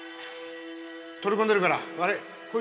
取り込んでるから悪い。